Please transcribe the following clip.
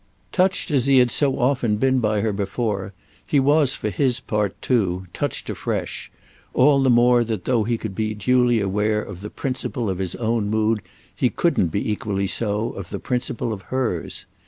Touched as he had so often been by her before, he was, for his part too, touched afresh; all the more that though he could be duly aware of the principle of his own mood he couldn't be equally so of the principle of hers.